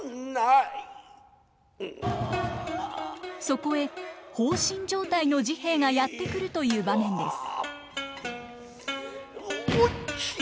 そこへ放心状態の治兵衛がやって来るという場面です。